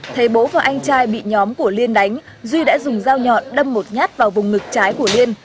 thấy bố và anh trai bị nhóm của liên đánh duy đã dùng dao nhọn đâm một nhát vào vùng ngực trái của liên